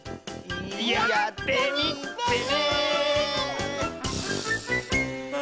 やってみてね！